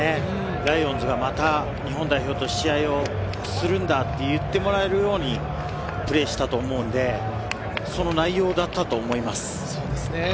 ライオンズがまた日本代表と試合をするんだって言ってもらえるように、プレーしたと思うので、その内容だったと思います。